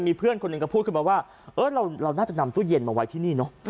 มีเพื่อนคนก็พูดขึ้นมาว่าเราน่าจะนำตั๊วเย็นมาไว้ที่นี่